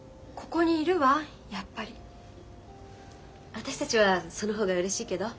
私たちはその方がうれしいけど。